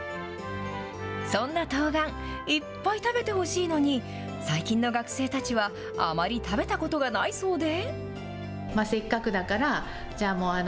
そんなとうがん、いっぱい食べてほしいのに、最近の学生たちはあまり食べたことがないそうで。